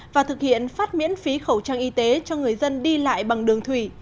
và thực hiện phát miễn phí khẩu trang y tế cho người dân đi lại bằng đường thủy